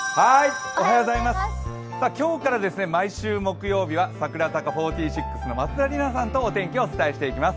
今日から毎週木曜日は櫻坂４６の松田里奈さんとお天気をお伝えしていきます。